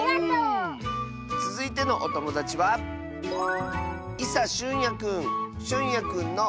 つづいてのおともだちはしゅんやくんの。